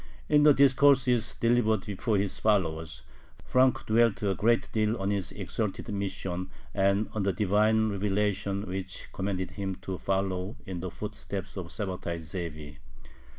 In the discourses delivered before his followers Frank dwelt a great deal on his exalted mission and on the divine revelations which commanded him to follow in the footsteps of Sabbatai Zevi.